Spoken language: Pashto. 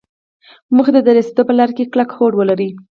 موخې ته د رسېدو په لاره کې کلک هوډ ولري.